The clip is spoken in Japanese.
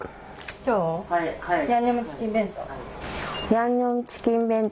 ヤンニョムチキン弁当。